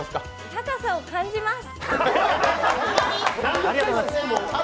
高さを感じます。